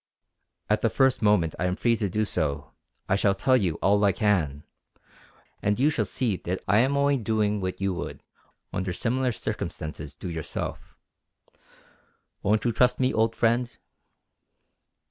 "At the first moment I am free to do so, I shall tell you all I can; and you shall then see that I am only doing what you would under similar circumstances do yourself. Won't you trust me, old friend!"